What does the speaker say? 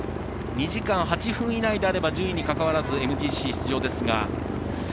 ２時間８分以内であれば順位に関わらずＭＧＣ出場ですが。